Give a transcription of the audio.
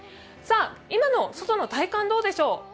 さあ、今の外の体感どうでしょう。